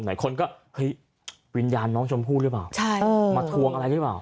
คนก็เฮ้ยวิญญาณน้องชมพู่หรือเปล่าใช่เออมาทวงอะไรหรือเปล่า